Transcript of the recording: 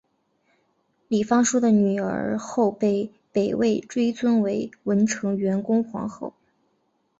李方叔的女儿后被北魏追尊为文成元恭皇后。